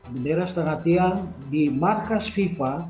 bendera setengah tiang di markas fifa